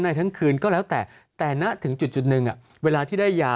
ทั้งคืนก็แล้วแต่แต่ณถึงจุดหนึ่งเวลาที่ได้ยา